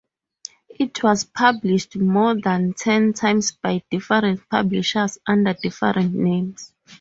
It was published more than ten times by different publishers under different names.